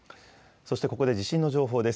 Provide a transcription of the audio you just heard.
そしてここで地震の情報です。